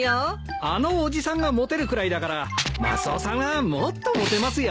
あの伯父さんがモテるくらいだからマスオさんはもっとモテますよ。